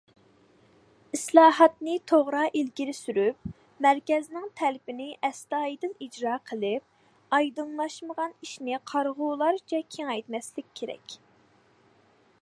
ئىسلاھاتنى توغرا ئىلگىرى سۈرۈپ، مەركەزنىڭ تەلىپىنى ئەستايىدىل ئىجرا قىلىپ، ئايدىڭلاشمىغان ئىشنى قارىغۇلارچە كېڭەيتمەسلىك كېرەك.